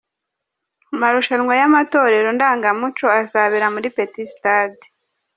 Amarushanwa y’amatorero ndangamuco azabera muri Petit Stade.